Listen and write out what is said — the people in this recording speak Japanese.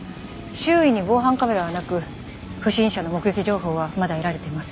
周囲に防犯カメラはなく不審者の目撃情報はまだ得られていません。